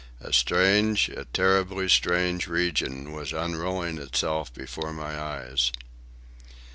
A strange, a terribly strange, region was unrolling itself before my eyes.